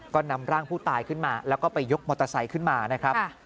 ก็นำร่างผู้ตายขึ้นมาแล้วก็ไปยกมอเตอร์ไซค์ขึ้นมานะครับ